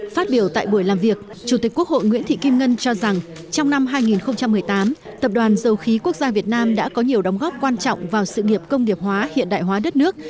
phát biểu tại buổi làm việc chủ tịch quốc hội nguyễn thị kim ngân cho rằng trong năm hai nghìn một mươi tám tập đoàn dầu khí quốc gia việt nam đã có nhiều đóng góp quan trọng vào sự nghiệp công nghiệp hóa hiện đại hóa đất nước